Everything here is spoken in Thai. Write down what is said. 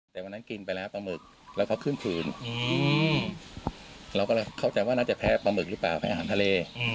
แต่วันนั้นกินไปแล้วปลาหมึกแล้วเขาขึ้นฝืนเราก็เลยเข้าใจว่าน่าจะแพ้ปลาหมึกหรือเปล่าแพ้อาหารทะเล